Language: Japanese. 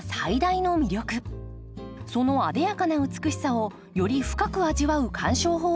その艶やかな美しさをより深く味わう鑑賞方法があるんです。